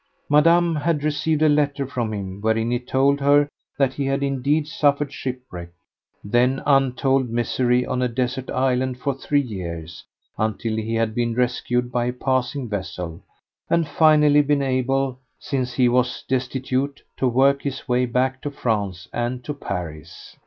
Madame had received a letter from him wherein he told her that he had indeed suffered shipwreck, then untold misery on a desert island for three years, until he had been rescued by a passing vessel, and finally been able, since he was destitute, to work his way back to France and to Paris.